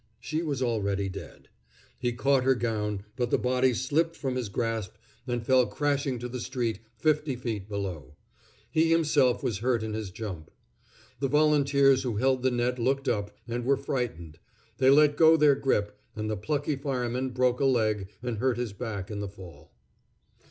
She was already dead. He caught her gown, but the body slipped from his grasp and fell crashing to the street fifty feet below. He himself was hurt in his jump. The volunteers who held the net looked up, and were frightened; they let go their grip, and the plucky fireman broke a leg and hurt his back in the fall.